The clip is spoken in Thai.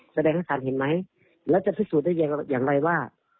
แสดงให้สารเห็นไหมแล้วจะพิสูจน์ได้อย่างไรว่า